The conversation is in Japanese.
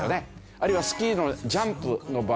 あるいはスキーのジャンプの場合はね